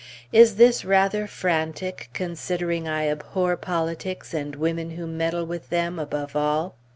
Is this rather frantic, considering I abhor politics, and women who meddle with them, above all?